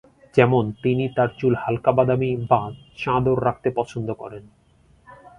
যেমন, তিনি তার চুল হালকা বাদামী বা চাদর রাখতে পছন্দ করেন।